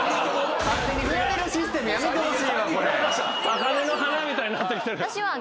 高嶺の花みたいになってきてる。